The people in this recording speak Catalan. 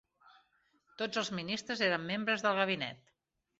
Tots els ministres eren membres del gabinet.